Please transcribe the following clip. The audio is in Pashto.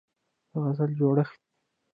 د غزل جوړښت